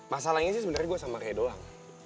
masalahnya sih sebenarnya gue sama kayak doang